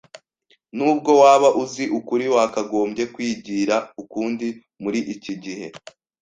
Nubwo waba uzi ukuri, wakagombye kwigira ukundi muri iki gihe